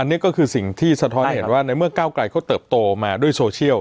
นี่ก็คือสิ่งที่สะท้อนเห็นว่าในเมื่อก้าวไกลเขาเติบโตมาด้วยโซเชียล